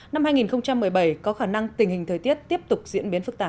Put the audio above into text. năm hai nghìn một mươi bảy có khả năng tình hình thời tiết tiếp tục diễn biến phức tạp